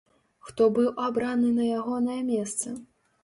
Хто быў абраны на ягонае месца?